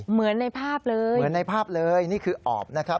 เหมือนในภาพเลยเหมือนในภาพเลยนี่คือออบนะครับ